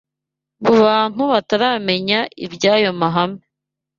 mu bantu bataramenya iby’ayo mahame